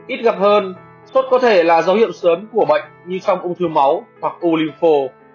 ít gặp hơn xuất có thể là dấu hiệu sớm của bệnh như trong ung thư máu hoặc olipho